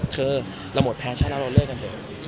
เธอเราหมดแพชชั่นแล้วเราเลือกกันเถอะ